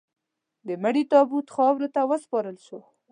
د مړي تابوت خاورو ته وسپارل شو.